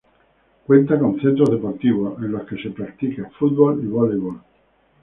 Cuenta con centros deportivos, en los que se practica: fútbol y voleibol.